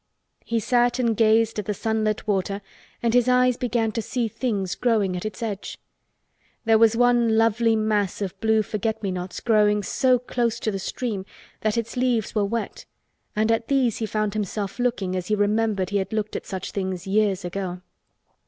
He sat and gazed at the sunlit water and his eyes began to see things growing at its edge. There was one lovely mass of blue forget me nots growing so close to the stream that its leaves were wet and at these he found himself looking as he remembered he had looked at such things years ago.